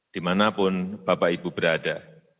dimanapun bapak ibu berada